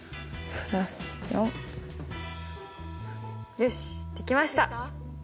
よしできました。